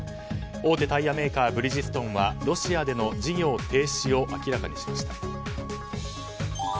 大手タイヤメーカーブリヂストンはロシアでの事業停止を明らかにしました。